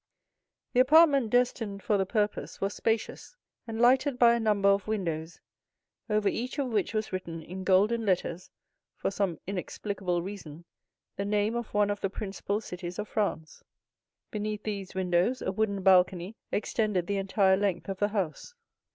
The apartment destined for the purpose was spacious and lighted by a number of windows, over each of which was written in golden letters for some inexplicable reason the name of one of the principal cities of France; beneath these windows a wooden balcony extended the entire length of the house.